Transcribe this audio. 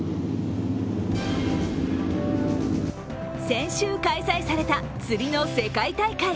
先週開催された釣りの世界大会。